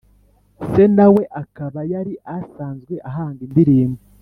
se na we akaba yari asanzwe ahanga indirimbo